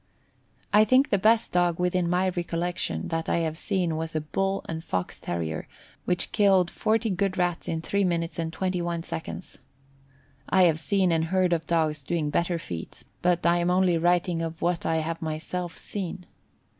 I think the best dog, within my recollection, that I have seen was a bull and fox terrier, which killed 40 good Rats in three minutes and 21 seconds. I have read and heard of dogs doing better feats, but I am only writing of what I have myself seen.